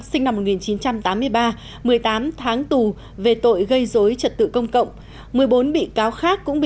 sinh năm một nghìn chín trăm tám mươi ba một mươi tám tháng tù về tội gây dối trật tự công cộng